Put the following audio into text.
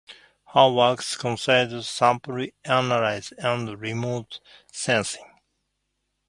Her work considered sample analysis and remote sensing.